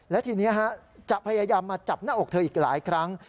และทีนี้จะพยายามมาจับหน้าอกเธออีกหลายครั้ง